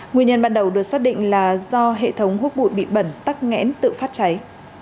nguyên nhân ban đầu được xác định là do hệ thống hút bụi bị bẩn tắc nghẽn tự phát cháy